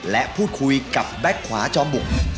และพูดคุยกับแบ็คขวาจอมบุก